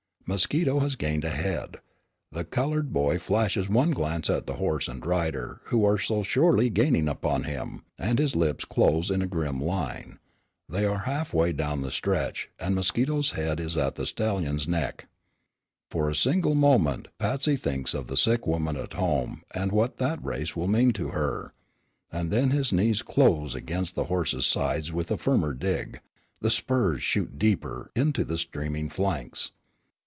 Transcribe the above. Mosquito has gained a head. The colored boy flashes one glance at the horse and rider who are so surely gaining upon him, and his lips close in a grim line. They are half way down the stretch, and Mosquito's head is at the stallion's neck. For a single moment Patsy thinks of the sick woman at home and what that race will mean to her, and then his knees close against the horse's sides with a firmer dig. The spurs shoot deeper into the steaming flanks.